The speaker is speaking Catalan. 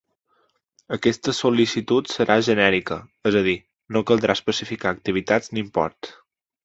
Aquesta sol·licitud serà genèrica, és a dir, no caldrà especificar activitats ni import.